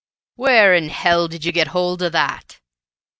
_?" "Where in hell did you get hold o' that?"